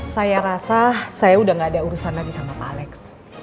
saya rasa saya udah gak ada urusan lagi sama pak alex